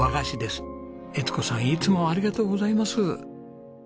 悦子さんいつもありがとうございます。